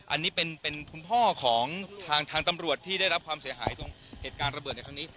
อันนี้เป็นคุณพ่อของทางตำรวจที่ได้รับความเสียหายตรงเหตุการณ์ระเบิดในครั้งนี้